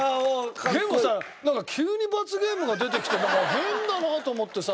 でもさなんか急に罰ゲームが出てきてなんか変だなと思ってさ。